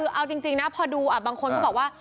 คือเอาจริงนะพอดูบางคนก็บอกว่า